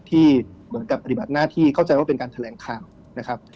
ที่เหมือนกับปฏิบัติหน้าที่เข้าใจว่าเป็นการแถลงข่าวนะครับ